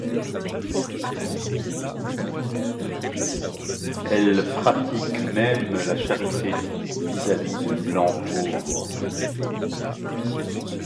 Elle pratique même la charité vis-à-vis des blancs pauvres.